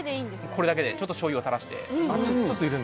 これだけで、しょうゆをたらして。